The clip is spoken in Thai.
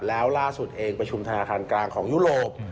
แล้วล่าสุดเองประชุมธนาคารกลางของยุโรป